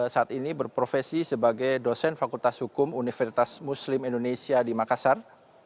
saat ini berprofesi sebagai dosen fakultas hukum universitas muslim indonesia di makassar